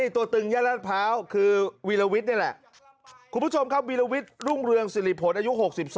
ตัวตึงย่านราชพร้าวคือวีรวิทย์นี่แหละคุณผู้ชมครับวีรวิทย์รุ่งเรืองสิริผลอายุ๖๒